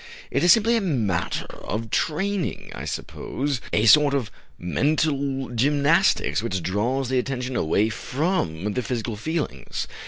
It is simply a matter of training, I suppose, a sort of mental gymnastics, which draws the attention away from the physical feelings."